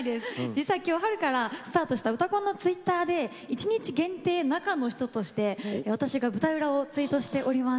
実は今日春からスタートした「うたコン」のＴｗｉｔｔｅｒで一日限定中の人として私が舞台裏をツイートしております。